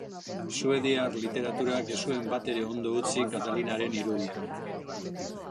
Suediar literaturak ez zuen batere ondo utzi Katalinaren irudia.